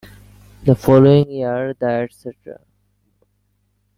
The following year, the e.t.c.